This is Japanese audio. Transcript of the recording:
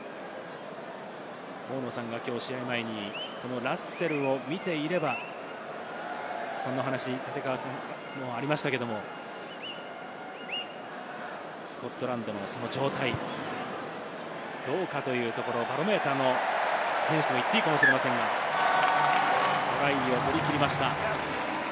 大野さんが試合前にこのラッセルを見ていれば、そんなお話がありましたけれども、スコットランドのその状態、どうかというところ、バロメーターの選手と言っていいかもしれませんが、トライを取り切りました。